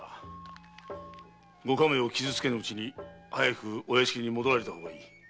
ご家名を傷つけぬうちに早くお屋敷に戻られた方がいい。